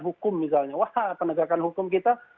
hukum misalnya wah penegakan hukum kita